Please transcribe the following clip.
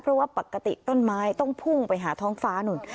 เพราะว่าปกติต้นไม้ต้องพุ่งไปหาท้องฟ้านู่น